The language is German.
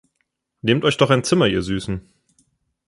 Nehmt euch doch ein Zimmer, ihr Süßen!